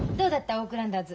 オークランダーズ。